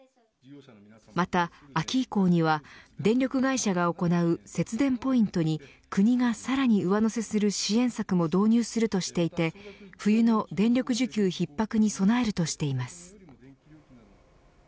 また、秋以降には電力会社が行う節電ポイントに国がさらに上乗せする支援策も導入するとしていて冬の電力需給逼迫に備えるとしています。